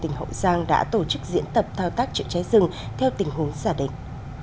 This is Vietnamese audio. tỉnh hậu giang đã tổ chức diễn tập thao tác chữa cháy rừng theo tình huống giả định